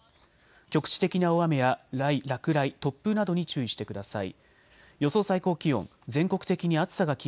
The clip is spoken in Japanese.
局地的な大雨や落雷、突風などに注意してください。